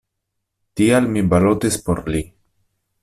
Tial mi balotis por li.